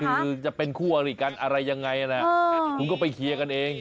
คือจะเป็นคู่อริกันอะไรยังไงนะคุณก็ไปเคลียร์กันเอง